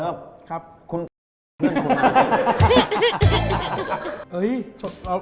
ผมบอกเลยว่าคุณเพื่อนคุณนะครับ